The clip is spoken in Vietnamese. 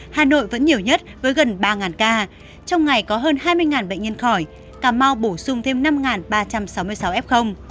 hà nội vẫn nhiều nhất với gần ba ca trong ngày có hơn hai mươi bệnh nhân khỏi cà mau bổ sung thêm năm ba trăm sáu mươi sáu f